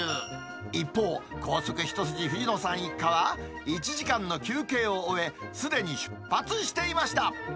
一方、高速一筋藤野さん一家は、１時間の休憩を終え、すでに出発していました。